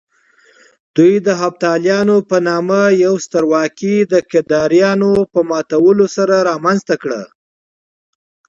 دوی د هېپتاليانو په نامه يوه سترواکي د کيداريانو په ماتولو سره رامنځته کړه